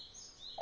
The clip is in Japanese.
あ。